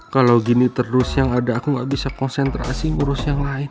kalau gini terus yang ada aku nggak bisa konsentrasi ngurus yang lain